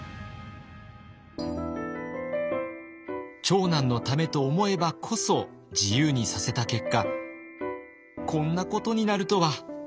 長男のためと思えばこそ自由にさせた結果こんなことになるとは。